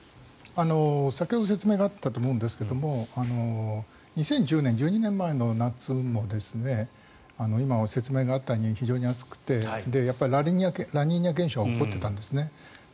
先ほど説明があったと思うんですが２０１０年、１２年前の夏も今説明があったように非常に暑くてやっぱりラニーニャ現象が起こっていたんですね。